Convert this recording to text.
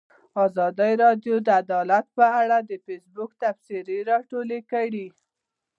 ازادي راډیو د عدالت په اړه د فیسبوک تبصرې راټولې کړي.